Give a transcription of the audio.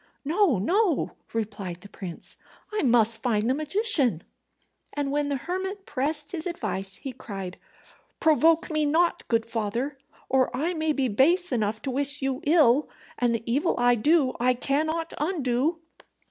"No, no," replied the prince; "I must find the magician." And when the hermit pressed his advice, he cried, "Provoke me not, good father, or I may be base enough to wish you ill; and the evil I do I cannot undo."